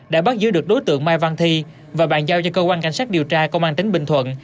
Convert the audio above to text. đã bắt giữ được đối tượng mai văn thi và bàn giao cho cơ quan cảnh sát điều tra công an tỉnh bình thuận